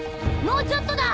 もうちょっとだ！